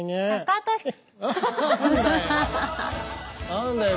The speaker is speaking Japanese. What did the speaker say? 何だよ。